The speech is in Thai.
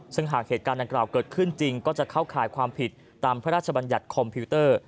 ซึ่งหากเหตุการณ์ดังกล่าวเกิดขึ้นจริงก็จะเข้าข่ายความผิดตามพระราชบัญญัติคอมพิวเตอร์